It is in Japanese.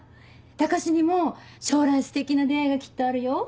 高志にも将来ステキな出会いがきっとあるよ。